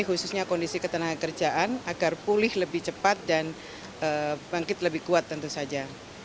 khususnya kondisi ketenaga kerjaan agar pulih lebih cepat dan bangkit lebih kuat tentu saja